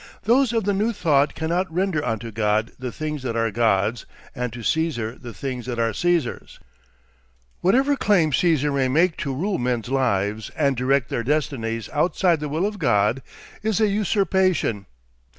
Those of the new thought cannot render unto God the things that are God's, and to Caesar the things that are Caesar's. Whatever claim Caesar may make to rule men's lives and direct their destinies outside the will of God, is a usurpation.